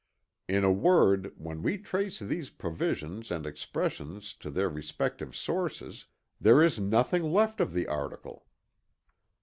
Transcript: In a word when we trace these provisions and expressions to their respective sources there is nothing left of the article.